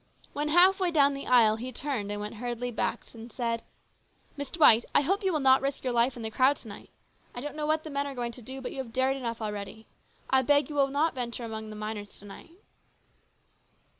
When half way down the aisle he turned and went hurriedly back and said :" Miss Dwight, I hope you will not risk your life in the crowd to night. I don't know what the men are going to do, but you have dared enough already. I beg you will not venture among the miners to night."